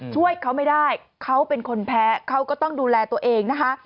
ช่วยเขาไม่ได้เขาเป็นคนแพ้เขาก็ต้องดูแลตัวเองนะคะ